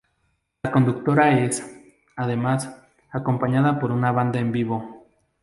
La conductora es, además, acompañada por una banda en vivo.